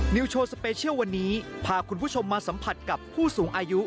โชว์สเปเชียลวันนี้พาคุณผู้ชมมาสัมผัสกับผู้สูงอายุ